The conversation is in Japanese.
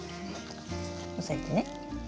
押さえてね？